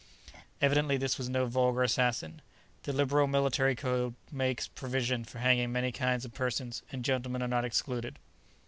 Evidently this was no vulgar assassin. The liberal military code makes provision for hanging many kinds of persons, and gentlemen are not excluded.